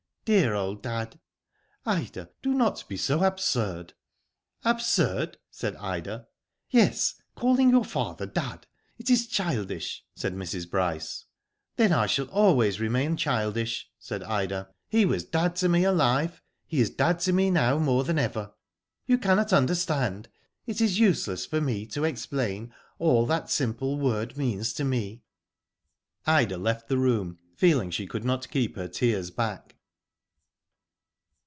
*^Dear old dad!'* '* Ida, do not be so absurd." *' Absurd !*' said Ida. " Yes, calling your father dad. It is childish." said Mrs. Bryce. *'Then I shall always remain childish," said Ida. " He was dad to me alive ; he is dad to me now more than ever. You cannot understand. It is useless for me to explain all that simple word means to me.'^ Ida left the room, feeling she could not keep her tears back.